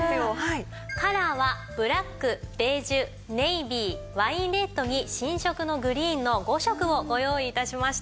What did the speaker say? カラーはブラックベージュネイビーワインレッドに新色のグリーンの５色をご用意致しました。